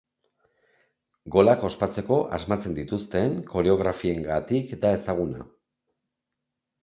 Golak ospatzeko asmatzen dituzten koreografiengatik da ezaguna.